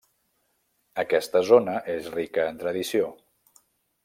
Aquesta zona és rica en tradició.